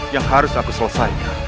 yang harus aku selesaikan